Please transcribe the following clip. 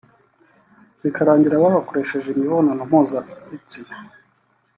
bikarangira babakoresheje imibonano mpuzabitsina